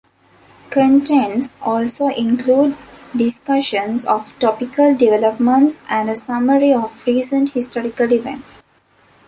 Contents also include discussions of topical developments and a summary of recent historical events.